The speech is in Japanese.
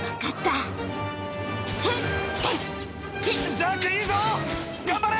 ジャックいいぞ頑張れ！